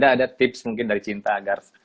ada tips mungkin dari cinta agar